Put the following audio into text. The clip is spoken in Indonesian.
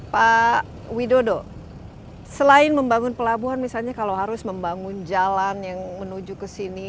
pak widodo selain membangun pelabuhan misalnya kalau harus membangun jalan yang menuju ke sini